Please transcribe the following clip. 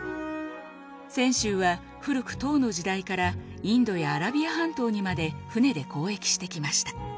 泉州は古く唐の時代からインドやアラビア半島にまで船で交易してきました。